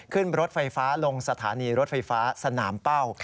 ขึ้นรถไฟฟ้าลงสถานีรถไฟฟ้าสนามเป้า